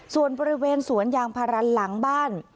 ส่วนบริเวณสวนยางพาราหลังบ้าน